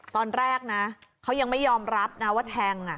ตอนแรกนะเขายังไม่ยอมรับนะว่าแทง